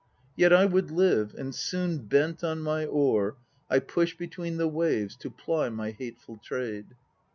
Yet I would live, and soon Bent on my oar I push between the waves To ply my hateful trade.